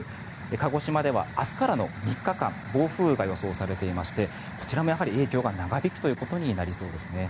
鹿児島では明日からの３日間暴風雨が予想されていましてこちらもやはり影響が長引くということになりそうです。